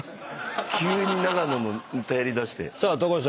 急に永野のネタやりだして。